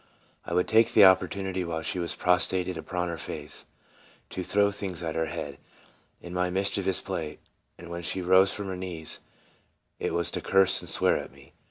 I would take the opportunity while she was prostrated upon her face, to throw things at her head, in my mischievous play, and when she rose from her knees, it was to curse and swear at me.